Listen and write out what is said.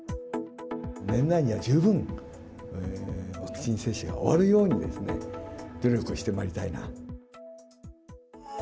年内には十分、ワクチン接種が終わるように、努力してまいりたいなと。